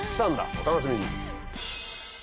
お楽しみに！